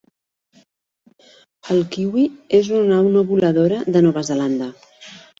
El kiwi és una au no voladora de Nova Zelanda.